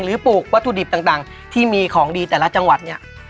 ปลูกวัตถุดิบต่างที่มีของดีแต่ละจังหวัดเนี่ย